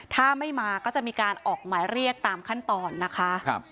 ถ้าไม่มาก็จะมีการออกหมายเรียกตามขั้นตอนนะคะ